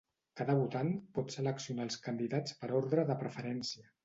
Cada votant pot seleccionar els candidats per ordre de preferència.